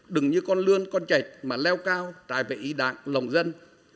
đừng như con lươn con chạch mà leo cao trải về ý đảng lòng dân